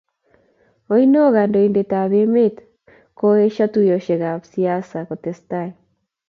oino, kandoindetab emet koieshoo tuiyeshekab siasa kotesetai